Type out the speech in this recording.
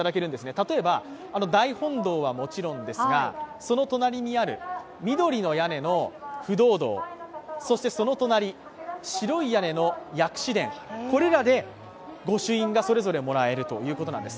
例えば、大本堂はもちろんですが、その隣にある緑の屋根の不動堂、そのとなり、白い屋根の薬師殿これらで御朱印がそれぞれもらえるということなんです。